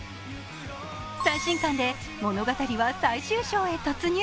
最新巻で物語は最終章へ突入。